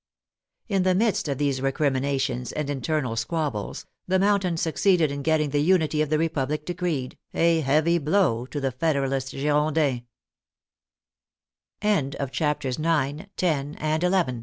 In the midst of these recriminations and inter nal squabbles, the Mountain succeeded in getting the unity of the Republic decreed, a heavy blow to the Federalist Girondi